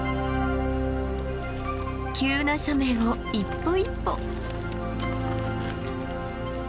急な斜面を一歩一歩。